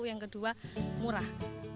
yang kedua murah